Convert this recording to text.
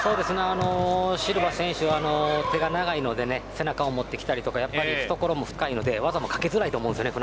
シルバ選手は手が長いので背中を持ってきたりとか懐も深いので技もかけづらいと思うんですよね